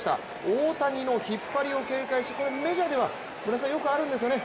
大谷の引っ張りを警戒しメジャーではよくあるんですよね。